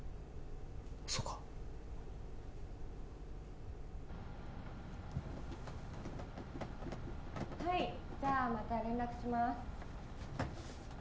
そうかはいじゃあまた連絡します